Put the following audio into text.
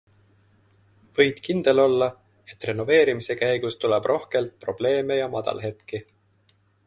Võid kindel olla, et renoveerimise käigus tuleb rohkelt probleeme ja madalhetki.